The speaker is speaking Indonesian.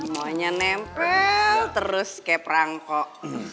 maunya nempel terus kayak perangkok